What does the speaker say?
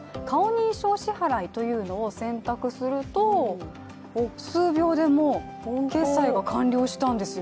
認証支払いというのを選択すると数秒でもう決済が完了したんですよ。